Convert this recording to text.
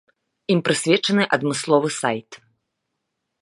Ім прысвечаны адмысловы сайт.